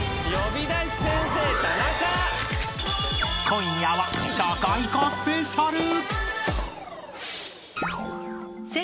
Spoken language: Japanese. ［今夜は社会科スペシャル］